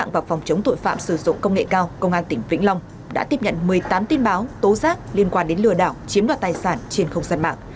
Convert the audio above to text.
vào số tài khoản nhóm đối tượng lừa đảo chiếm đoạt tài sản trên không gian mạng